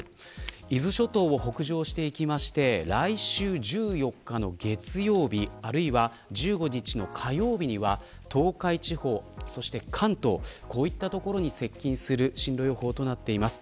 伊豆諸島を北上していきまして来週１４日の月曜日あるいは１５日の火曜日には東海地方、そして関東こういった所に接近する進路予想となっています。